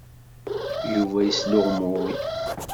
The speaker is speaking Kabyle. Yuba yesluɣmuy.